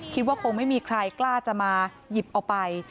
คิดว่าคงไม่มีใครกล้าจะมาหยิบเอาไป